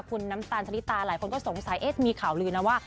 คุณน้ำตาลชะลิตาหลายคนก็สงสัยเอ๊ะมีข่าวลือนะว่า